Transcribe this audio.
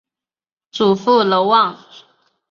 祖父娄旺。